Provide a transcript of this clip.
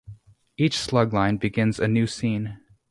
Each slug line begins a new scene.